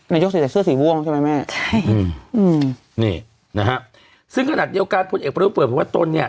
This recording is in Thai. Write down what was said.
ใส่แต่เสื้อสีม่วงใช่ไหมแม่ใช่อืมอืมนี่นะฮะซึ่งขนาดเดียวกันพลเอกประยุทธ์เปิดเพราะว่าตนเนี่ย